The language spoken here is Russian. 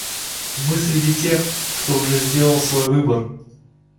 Мы среди тех, кто уже сделал свой выбор.